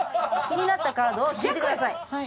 気になったカードを引いてください。